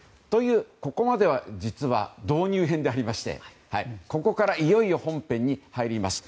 ここまでは実は導入編でありましてここからいよいよ本編に入ります。